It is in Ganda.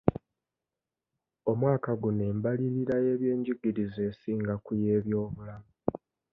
Omwaka guno, embalirira y'ebyenjigiriza esinga ku y'ebyobulamu.